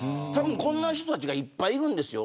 こんな人たちがいっぱいいるんですよ。